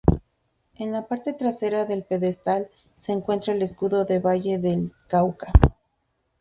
En la parte trasera del pedestal se encuentra el Escudo del Valle del Cauca.